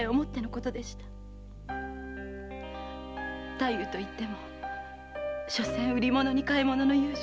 太夫と言ってもしょせん売りものに買いものの遊女。